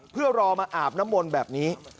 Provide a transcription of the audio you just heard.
เพื่อรอมาอาบน้ำมนต์แบบนี้